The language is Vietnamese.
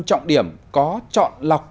trọng điểm có chọn lọc